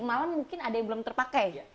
malam mungkin ada yang belum terpakai